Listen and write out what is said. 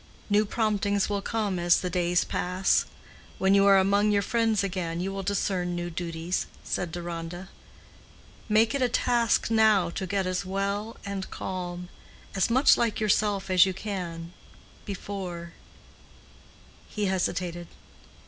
"New promptings will come as the days pass. When you are among your friends again, you will discern new duties," said Deronda. "Make it a task now to get as well and calm—as much like yourself as you can, before—" He hesitated.